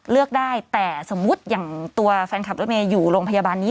เลือกได้แต่สมมุติอย่างตัวแฟนขับรถเมย์อยู่โรงพยาบาลนี้